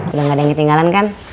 udah gak ada yang ketinggalan kan